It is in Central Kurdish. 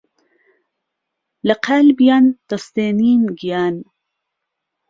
له قالبيان دهستێنین گیان